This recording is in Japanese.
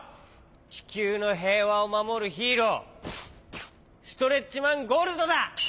ちきゅうのへいわをまもるヒーローストレッチマン・ゴールドだ！